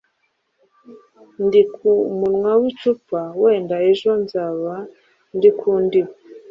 Ndi ku munwa w’icupa wenda ejo nzaba ndi ku ndiba